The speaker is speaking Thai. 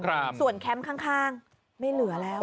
ครับส่วนแคมป์ข้างข้างไม่เหลือแล้ว